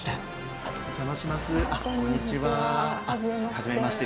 はじめまして。